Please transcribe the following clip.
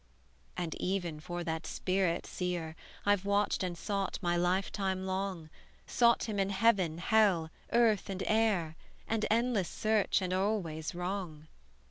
"And even for that spirit, seer, I've watched and sought my life time long; Sought him in heaven, hell, earth, and air, An endless search, and always wrong.